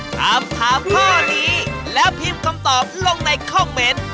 ถามถามข้อนี้แล้วพิมพ์คำตอบลงในคอมเมนต์